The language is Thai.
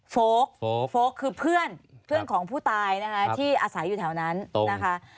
โกลกโฟลกคือเพื่อนเพื่อนของผู้ตายนะคะที่อาศัยอยู่แถวนั้นนะคะ